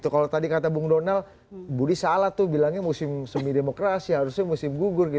kalau tadi kata bung donal budi salah tuh bilangnya musim semi demokrasi harusnya musim gugur